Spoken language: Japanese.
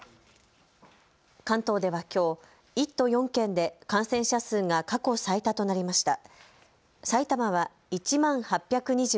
関東ではきょう１都４県で感染者数が過去最多となりました。